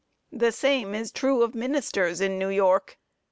The same is true of ministers in New York.